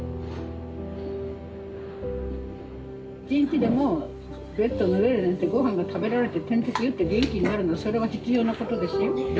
１日でもベッドの上で寝てごはんが食べられて点滴打って元気になるのそれは必要なことですよ。